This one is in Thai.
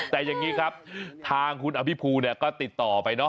แต่อย่างนี้ครับทางคุณอภิภูเนี่ยก็ติดต่อไปเนาะ